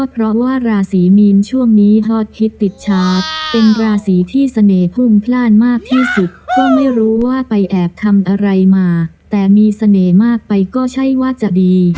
เพราะว่าราศีมีนช่วงนี้ฮอตฮิตติดชาติเป็นราศีที่เสน่หุ้มพลาดมากที่สุดก็ไม่รู้ว่าไปแอบทำอะไรมาแต่มีเสน่ห์มากไปก็ใช่ว่าจะดี